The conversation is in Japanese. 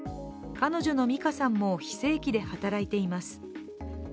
彼女の美花さんも非正規で働いています。